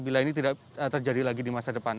bila ini tidak terjadi lagi di masa depan